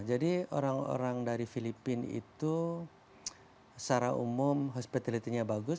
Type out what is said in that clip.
jadi orang orang dari filipina itu secara umum hospitality nya bagus